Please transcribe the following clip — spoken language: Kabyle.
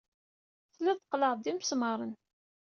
Tellid tqellɛed-d imesmaṛen.